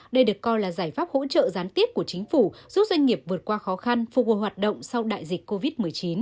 đây được coi là giải pháp hỗ trợ gián tiếp của chính phủ giúp doanh nghiệp vượt qua khó khăn phục vụ hoạt động sau đại dịch covid một mươi chín